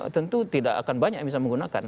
tentu tidak akan banyak yang bisa menggunakan